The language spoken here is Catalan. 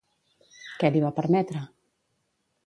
Què li va permetre?